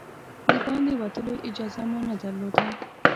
د باندې وتلو اجازه مو نه درلوده.